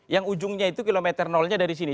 yang ujungnya itu kilometer nolnya dari sini